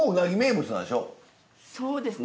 そうですね。